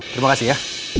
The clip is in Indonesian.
terima kasih ya